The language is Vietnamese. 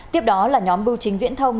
tiếp đó là nhóm bưu chính viễn thông